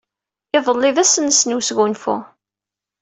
Iḍelli d ass-nnes n wesgunfu.